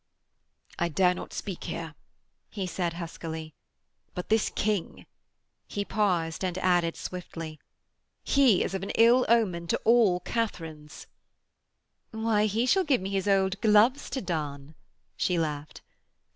'I dare not speak here,' he muttered huskily. 'But this King....' He paused and added swiftly: 'He is of an ill omen to all Katharines.' 'Why, he shall give me his old gloves to darn,' she laughed.